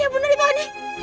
ya bener itu adi